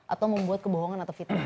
atau membuat kebohongan atau fitnah